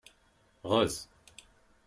Ɣeẓẓ.